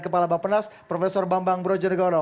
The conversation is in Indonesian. kepala bapak penas prof bambang brojonegoro